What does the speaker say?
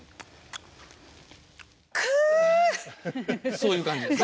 そういう感じですね。